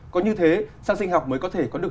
có như thế sản sinh học mới có thể có được